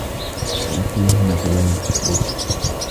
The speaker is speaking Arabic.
سأكون هنا طوال الأسبوع.